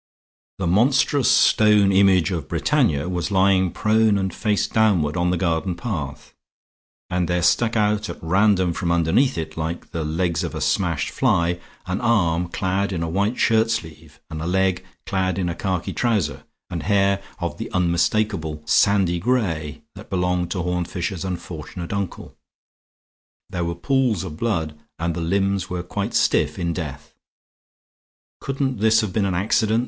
The monstrous stone image of Britannia was lying prone and face downward on the garden path; and there stuck out at random from underneath it, like the legs of a smashed fly, an arm clad in a white shirt sleeve and a leg clad in a khaki trouser, and hair of the unmistakable sandy gray that belonged to Horne Fisher's unfortunate uncle. There were pools of blood and the limbs were quite stiff in death. "Couldn't this have been an accident?"